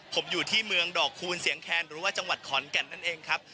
ผมอยู่ที่เมืองดอกคูณเสียงแคนหรือว่าจังหวัดขอนแก่นนั่นเองครับ